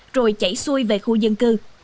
rồi chảy xuôi về khu dân cư